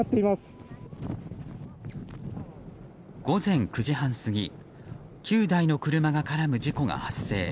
午前９時半過ぎ９台の車が絡む事故が発生。